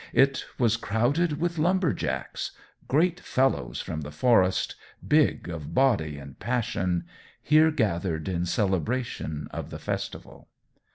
It was crowded with lumber jacks great fellows from the forest, big of body and passion, here gathered in celebration of the festival.